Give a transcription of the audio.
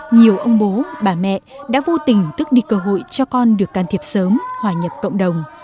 nhiều ông bố bà mẹ đã vô tình tức đi cơ hội cho con được can thiệp sớm hòa nhập cộng đồng